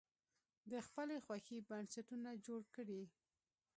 د خپلې خوښې بنسټونه جوړ کړي.